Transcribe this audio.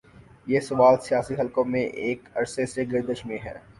یہ سوال سیاسی حلقوں میں ایک عرصے سے گردش میں ہے۔